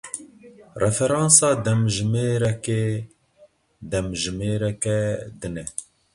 Referansa demjimêrekê, demjimêreke din e.